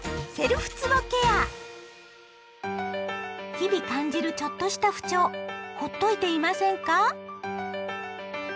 日々感じるちょっとした不調ほっといていませんか？